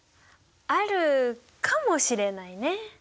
あるかもしれないね。